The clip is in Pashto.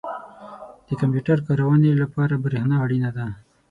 • د کمپیوټر کارونې لپاره برېښنا اړینه ده.